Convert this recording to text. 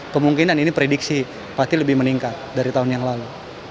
kemungkinan ini prediksi pasti lebih meningkat dari tahun yang lalu